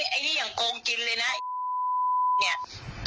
ไอ้นี่อย่างโกรธกินเลยไอ้น้าย๋น๋น๋น๋น๋